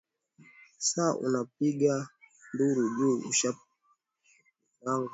Saa unapiga nduru juu ushapotezanga hela.